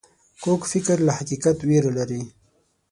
کوږ فکر له حقیقت ویره لري